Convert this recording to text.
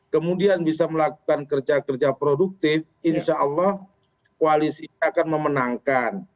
kemudian bisa melakukan kerja kerja produktif insya allah koalisi akan memenangkan